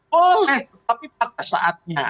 boleh tapi pada saatnya